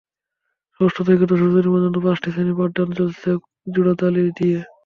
ষষ্ঠ থেকে দশম শ্রেণি পর্যন্ত পাঁচটি শ্রেণির পাঠদানের চলছে জোড়াতালি দিয়ে।